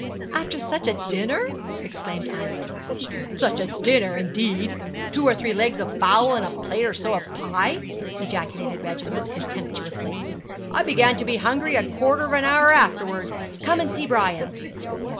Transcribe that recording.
'After such a dinner!' exclaimed Ida. 'Such a dinner, indeed! two or three legs of fowls and a plate or so of pie!' ejaculated Reginald, contemptuously. 'I began to be hungry a quarter of an hour afterwards. Come and see Brian.'